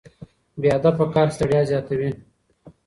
بې هدفه کار ستړیا زیاتوي.